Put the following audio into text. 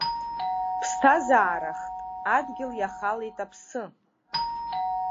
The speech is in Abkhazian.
Ԥсҭазаарахт, адгьыл иахалеит аԥсы.